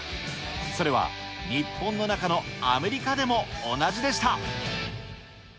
それは日本の中のアメリカでも同じでした。